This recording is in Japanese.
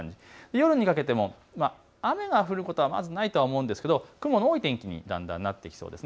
夜にかけても雨が降ることはないと思うんですが雲の多い天気にだんだんなってきそうです。